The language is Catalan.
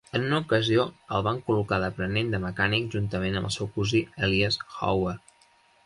En una ocasió, el van col·locar d'aprenent de mecànic juntament amb el seu cosí Elias Howe.